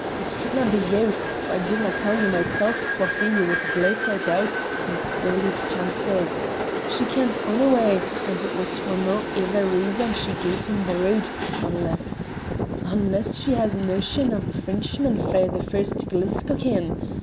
It couldna' be you, for I didna' tell ye mysel' for fear ye wad bluitter it oot and spoil his chances. She kent onyway, and it was for no ither reason she gie'd him the route, unless unless she had a notion o' the Frenchman frae the first glisk o' him.